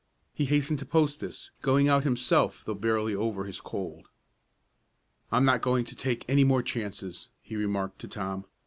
He hastened to post this, going out himself though barely over his cold. "I'm not going to take any more chances," he remarked to Tom.